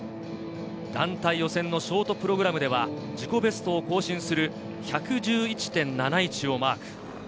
団体予選のショートプログラムでは自己ベストを更新する１１１．７１をマーク。